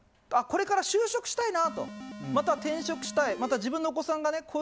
これから就職したいなとまたは転職したいまたは自分のお子さんがね